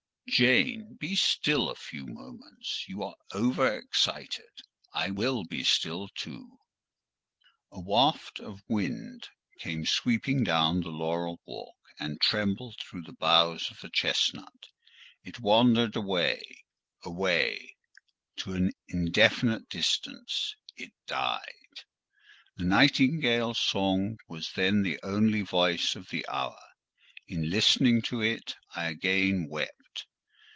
"Jane, be still a few moments: you are over excited: I will be still too." A waft of wind came sweeping down the laurel walk, and trembled through the boughs of the chestnut: it wandered away—away—to an indefinite distance—it died. The nightingale's song was then the only voice of the hour: in listening to it, I again wept.